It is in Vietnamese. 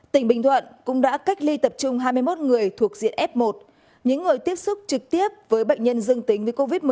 tỉnh bình thuận cũng đã cách ly tập trung hai mươi một người thuộc diện f một những người tiếp xúc trực tiếp với bệnh nhân dương tính với covid một mươi chín